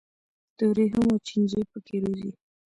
د ورېښمو چینجي پکې روزي.